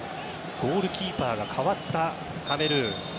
ゴールキーパーが代わったカメルーン。